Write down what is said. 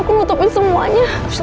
kok udah bisa gampang